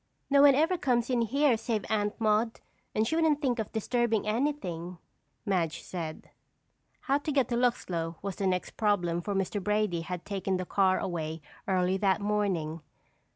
"No one ever comes in here save Aunt Maude and she wouldn't think of disturbing anything," Madge said. How to get to Luxlow was the next problem for Mr. Brady had taken the car away early that morning.